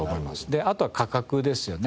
であとは価格ですよね。